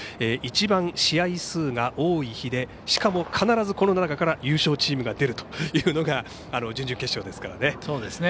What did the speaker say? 一番、試合数が多い日でしかも、必ずこの中から優勝チームが出るというのが準々決勝ですからね。